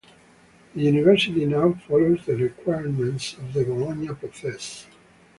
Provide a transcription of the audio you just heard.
The university now follows the requirements of the Bologna process.